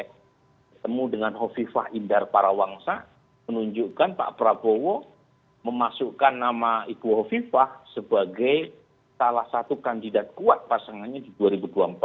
ketemu dengan hovifah indar parawangsa menunjukkan pak prabowo memasukkan nama ibu hovifah sebagai salah satu kandidat kuat pasangannya di dua ribu dua puluh empat